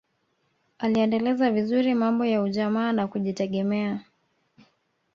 aliendeleza vizuri mambo ya ujamaa na kujitegemea